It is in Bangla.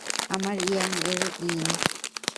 আমার ইয়াং-এর ইয়িন!